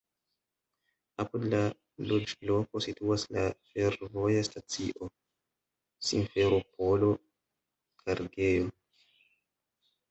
Apud la loĝloko situas la fervoja stacio "Simferopolo-kargejo".